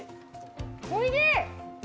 おいしい！